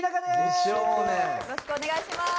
よろしくお願いします。